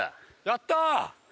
やったー！